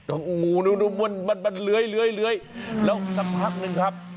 โอ้โหดูมันเลื้อยแล้วสักพักนึงครับ